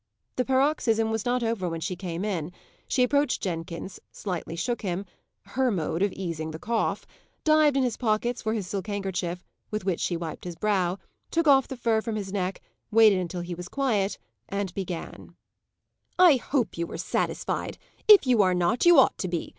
The paroxysm was not over when she came in. She approached Jenkins, slightly shook him her mode of easing the cough dived in his pockets for his silk handkerchief, with which she wiped his brow, took off the fur from his neck, waited until he was quiet, and began: "I hope you are satisfied! If you are not, you ought to be.